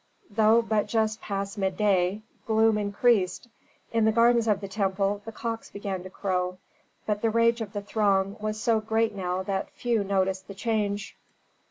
Though but just past midday, gloom increased. In the gardens of the temple the cocks began to crow. But the rage of the throng was so great now that few noticed the change.